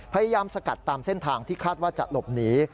สกัดตามเส้นทางที่คาดว่าจะหลบหนี